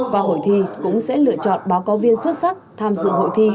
qua hội thi cũng sẽ lựa chọn báo cáo viên xuất sắc tham dự hội thi